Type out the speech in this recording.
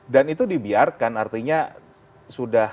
dan itu dibiarkan artinya sudah